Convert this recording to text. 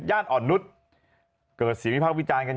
ย่านอ่อนรุตเกิด๔องค์วิทยานกัน